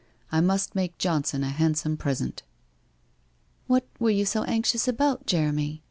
I must make Johnson a handsome present.' ' What were you so anxious about, Jeremy?